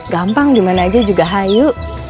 gampang dimana aja juga hayu